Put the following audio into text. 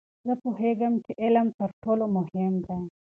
زه پوهیږم چې علم تر ټولو مهم دی.